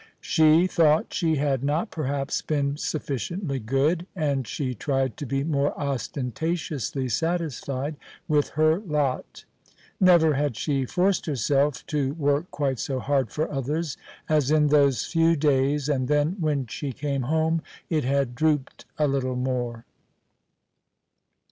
She thought she had not perhaps been sufficiently good, and she tried to be more ostentatiously satisfied with her lot. Never had she forced herself to work quite so hard for others as in those few days, and then when she came home it had drooped a little more.